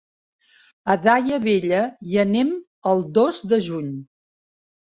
A Daia Vella hi anem el dos de juny.